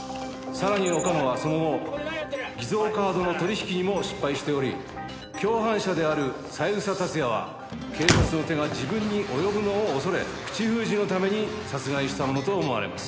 さらに岡野はその後偽造カードの取引にも失敗しており共犯者である三枝達也は警察の手が自分に及ぶのを恐れ口封じのために殺害したものと思われます。